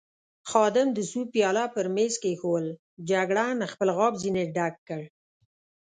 خادم د سوپ پیاله پر مېز کېښوول، جګړن خپل غاب ځنې ډک کړ.